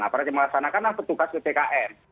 aparat yang melaksanakan petugas ppkm